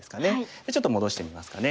でちょっと戻してみますかね。